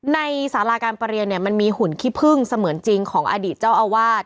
สาราการประเรียนเนี่ยมันมีหุ่นขี้พึ่งเสมือนจริงของอดีตเจ้าอาวาส